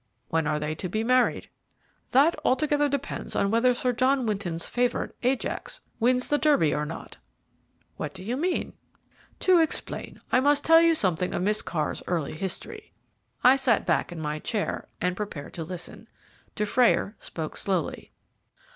"When are they to be married?" "That altogether depends on whether Sir John Winton's favourite, Ajax, wins the Derby or not." "What do you mean?" "To explain, I must tell you something of Miss Carr's early history." I sat back in my chair and prepared to listen. Dufrayer spoke slowly.